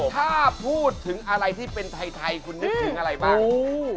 ถ้าพูดถึงอะไรที่เป็นไทยคุณนึกถึงอะไรบ้าง